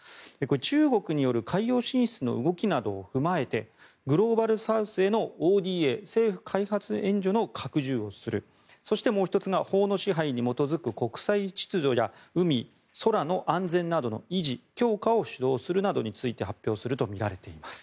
中国による海洋進出の動きなどを踏まえてグローバルサウスへのＯＤＡ・政府開発援助の拡充をするそして、もう１つが法の支配に基づく国際秩序や海、空の安全などの維持・強化を主導するなどについて発表するとみられています。